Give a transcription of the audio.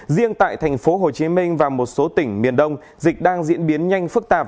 riêng tại thành phố hồ chí minh và một số tỉnh miền đông dịch đang diễn biến nhanh phức tạp